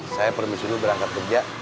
saya permisi dulu berangkat kerja